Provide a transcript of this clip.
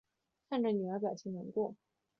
看着女儿表情难过